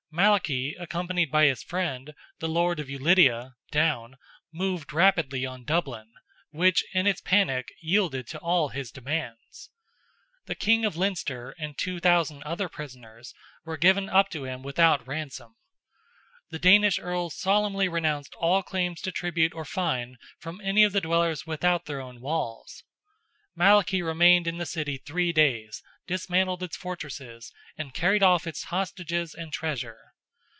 Malachy, accompanied by his friend, the lord of Ulidia (Down), moved rapidly on Dublin, which, in its panic, yielded to all his demands. The King of Leinster and 2,000 other prisoners were given up to him without ransom. The Danish Earls solemnly renounced all claims to tribute or fine from any of the dwellers without their own walls. Malachy remained in the city three days, dismantled its fortresses, and carried off its hostages and treasure.